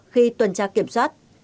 khi tuần tra kiểm soát